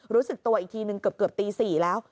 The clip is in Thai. รู้สึกตัวอีกทีนึงเกือบตี๔แล้ว